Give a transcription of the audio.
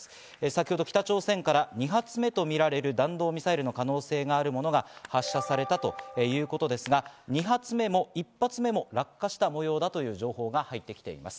先ほど北朝鮮から２発目とみられる弾道ミサイルの可能性があるものが発射されたということですが、２発目も１発目も落下した模様だという情報が入ってきています。